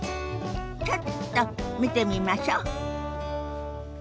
ちょっと見てみましょ。